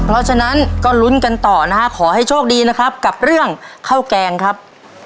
เพราะฉะนั้นก็ลุ้นกันต่อนะฮะขอให้โชคดีนะครับกับเรื่องข้าวแกงครับ